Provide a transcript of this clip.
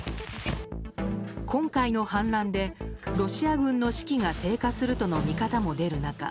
今回の反乱で、ロシア軍の士気が低下するとの見方も出る中